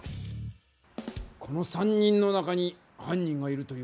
この３人の中に犯人がいるという事か。